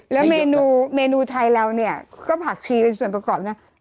แล้วเมนูเมนูไทยเราเนี่ยก็ผักชีเป็นส่วนประกอบนะ